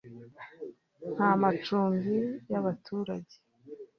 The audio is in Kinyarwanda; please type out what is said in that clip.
nta macumbi y’abaturage